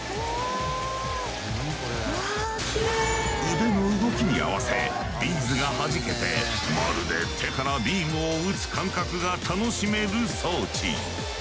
腕の動きに合わせビーズがはじけてまるで手からビームを撃つ感覚が楽しめる装置。